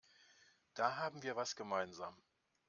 Da haben wir was gemeinsam.